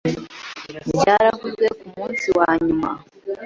Byaravuzwe ku munsi wa nyuma